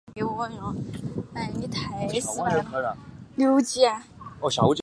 猛隼为隼科隼属的鸟类。